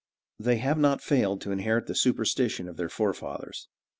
They have not failed to inherit the superstition of their forefathers.